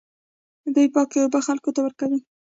دوی پاکې اوبه خلکو ته ورکوي.